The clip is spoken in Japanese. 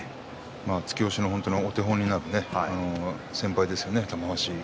突き押しのお手本になる先輩ですよね、玉鷲は。